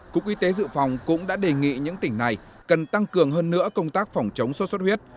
cục y tế dự phòng cũng đã đề nghị những tỉnh này cần tăng cường hơn nữa công tác phòng chống sốt xuất huyết